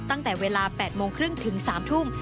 ตั้งแต่เวลา๘โมงครึ่งถึง๓ทุ่ม